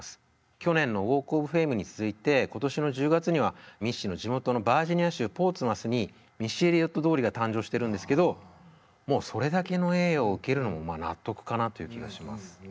去年のウォーク・オブ・フェイムに続いて今年の１０月にはミッシーの地元のバージニア州ポーツマスにミッシー・エリオット通りが誕生してるんですけどもうそれだけの栄誉を受けるのもまあ納得かなという気がします。